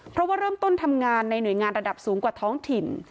เพราะว่าเริ่มต้นทำงานในหน่วยงานระดับสูงกว่าท้องถิ่น